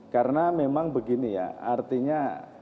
karena memang begini ya artinya